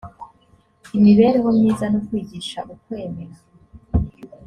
imibereho myiza no kwigisha ukwemera